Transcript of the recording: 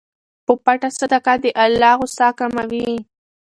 په پټه صدقه د الله غصه کموي.